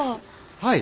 はい。